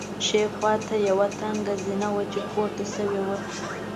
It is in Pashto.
ښي خوا ته یوه تنګه زینه وه چې پورته شوې وه.